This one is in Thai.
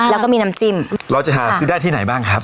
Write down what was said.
แล้วก็มีน้ำจิ้มเราจะหาซื้อได้ที่ไหนบ้างครับ